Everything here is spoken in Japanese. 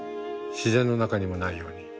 自然の中にもないように。